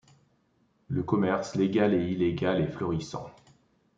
Le commerce, légal et illégal, est florissant.